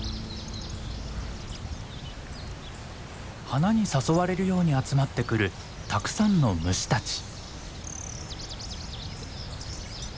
花に誘われるように集まってくるたくさんの虫たち。